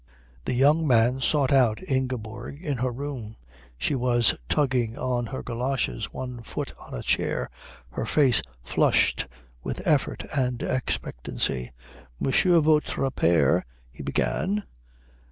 The young man sought out Ingeborg in her room. She was tugging on her goloshes, one foot on a chair, her face flushed with effort and expectancy. "Monsieur votre père " he began.